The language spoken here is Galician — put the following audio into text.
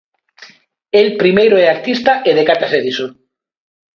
El primeiro é artista e decátase diso.